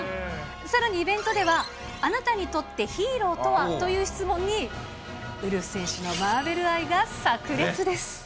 さらにイベントではあなたにとってヒーローとはという質問に、ウルフ選手のマーベル愛がさく裂です。